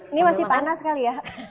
ini masih panas kali ya